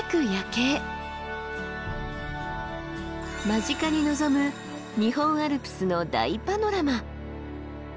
間近に望む日本アルプスの大パノラマ。